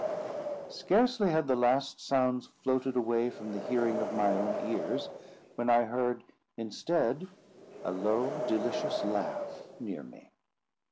Scarcely had the last sounds floated away from the hearing of my own ears, when I heard instead a low delicious laugh near me.